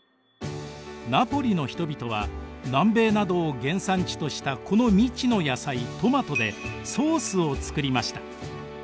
ナポリの人々は南米などを原産地としたこの未知の野菜トマトでソースを作りました。